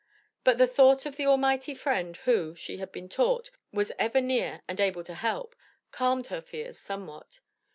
But the thought of the almighty Friend who, she had been taught, was ever near and able to help, calmed her fears somewhat.